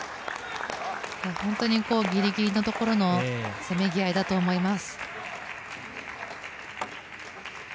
本当にギリギリのところのせめぎ合いだと思います。